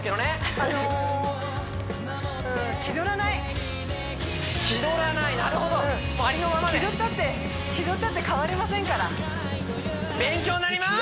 あの気取らないなるほどもうありのままで気取ったって変わりませんから勉強になります！